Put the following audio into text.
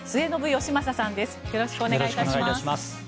よろしくお願いします。